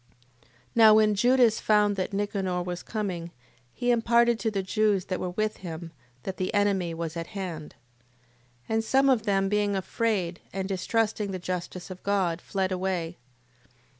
8:12. Now when Judas found that Nicanor was coming, he imparted to the Jews that were with him, that the enemy was at hand. 8:13. And some of them being afraid, and distrusting the justice of God, fled away.